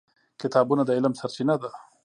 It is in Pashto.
کتابونه د علم سرچینه ده.